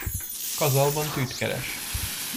Kazalban tűt keres.